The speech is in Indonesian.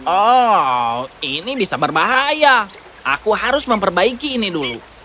oh ini bisa berbahaya aku harus memperbaiki ini dulu